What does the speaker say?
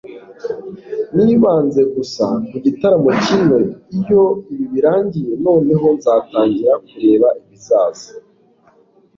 nibanze gusa ku gitaramo kimwe, iyo ibi birangiye noneho nzatangira kureba ibizaza